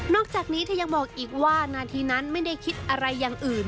จากนี้เธอยังบอกอีกว่านาทีนั้นไม่ได้คิดอะไรอย่างอื่น